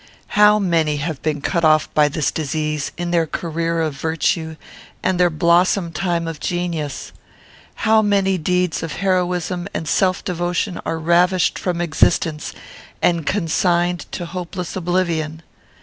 How many have been cut off by this disease, in their career of virtue and their blossom time of genius! How many deeds of heroism and self devotion are ravished from existence, and consigned to hopeless oblivion!